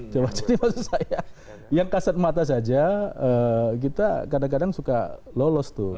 jadi maksud saya yang kasat mata saja kita kadang kadang suka lolos itu